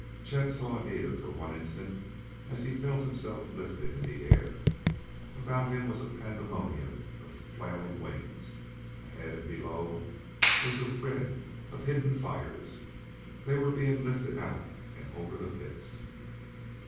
Chet saw Anita for one instant as he felt himself lifted in air. About him was a pandemonium of flailing wings; ahead and below was the red of hidden fires. They were being lifted out and over the pits.